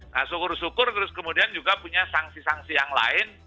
nah syukur syukur terus kemudian juga punya sanksi sanksi yang lain